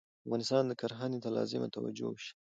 افغانستان کرهنې ته لازمه توجه وشي